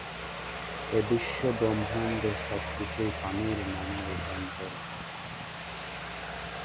এ-বিশ্বব্রহ্মাণ্ডের সবকিছুই পানির নানা রূপান্তর মাত্র।